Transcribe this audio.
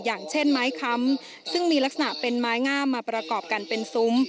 อย่างเช่นไม้ค้ำซึ่งมีลักษณะเป็นไม้งามมาประกอบกันเป็นซุ้ม